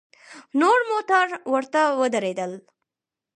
نور موټر ورته ودرېدل.